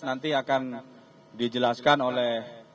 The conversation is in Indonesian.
nanti akan dijelaskan oleh